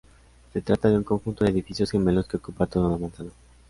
Se trata de un conjunto de edificios gemelos que ocupa toda una manzana.